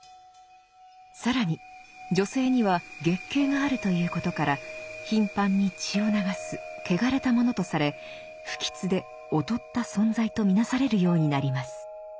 更に女性には月経があるということから頻繁に血を流すけがれたものとされ不吉で劣った存在と見なされるようになります。